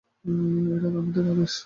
এটা আমার আদেশ!